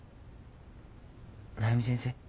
鳴海先生。